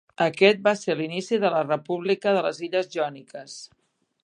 Aquest va ser l'inici de la República de les illes Jòniques.